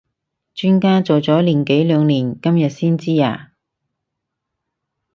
磚家做咗年幾兩年今日先知呀？